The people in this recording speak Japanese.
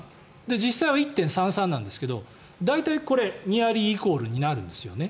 実際は１．３３なんですけど大体これ、ニアリーイコールになるんですね。